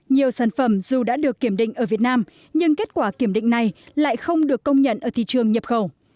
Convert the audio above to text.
nhiều sản phẩm dù đã được kiểm định ở việt nam nhưng kết quả kiểm định này lại không được công nhận ở thị trường nhập khẩu